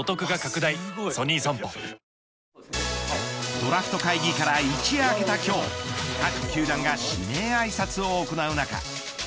ドラフト会議から一夜明けた今日各球団が指名あいさつを行う中